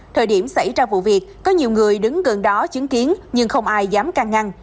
thời điểm xảy ra vụ việc có nhiều người đứng gần đó chứng kiến nhưng không ai dám căng ngăn